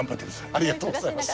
ありがとうございます。